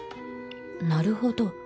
なるほど